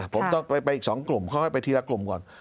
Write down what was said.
ผมต้องไปอีกสองกลุ่มค่อยไปทีละกลุ่มก่อน